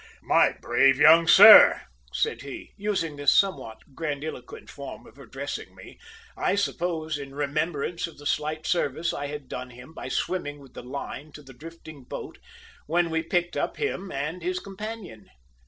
"My brave young sir," said he, using this somewhat grandiloquent form of addressing me, I suppose, in remembrance of the slight service I had done him by swimming with the line to the drifting boat when we picked up him and his companion.